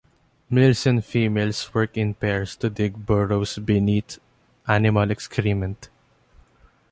Males and females work in pairs to dig burrows beneath animal excrement.